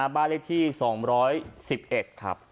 บ้านเลขที่๒๑๑ครับ